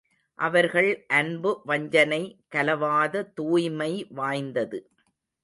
அவர்கள் அன்பு வஞ்சனை கலவாத தூய்மை வாய்ந்தது.